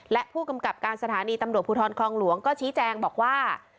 และผู้กำกับการสถานีตำรวจภูทรคลองหลวงก็ชี้แจงบอกว่า